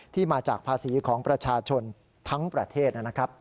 มาจากภาษีของประชาชนทั้งประเทศนะครับ